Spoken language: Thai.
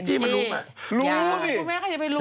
ฮะจี้มันรู้ป่ะรู้สิใช่สิรู้มั้ยใครจะไปรู้